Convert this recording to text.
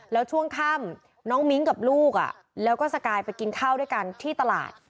แล้วช่วงค่ำน้องมิ้งกับลูกแล้วก็สกายไปกินข้าวด้วยกันที่ตลาด